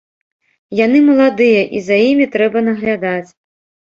Яны маладыя, і за імі трэба наглядаць.